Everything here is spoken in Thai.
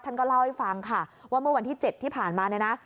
ท่านก็เล่าให้ฟังค่ะว่าเมื่อวันที่๗ที่ผ่านมาเนี่ยนะ